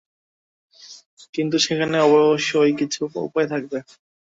কিন্তু সেখানে অবশ্যই কিছু উপায় থাকবে।